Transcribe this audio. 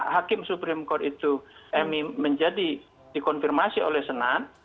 hakim supreme court itu menjadi dikonfirmasi oleh senan